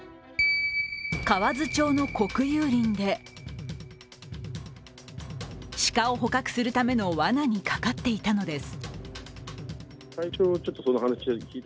河津町の国有林で、鹿を捕獲するためのわなにかかっていたのです。